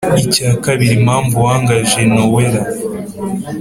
icyakabiri impamvu wangaje nowela?